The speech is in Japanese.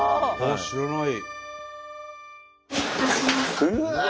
知らない。